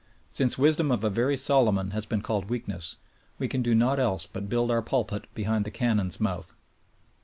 Since wisdom of a very Solomon has been called weakness, we can do naught else but build our pulpit behind the cannon's mouth.